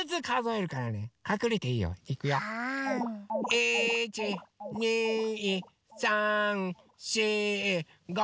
１２３４５。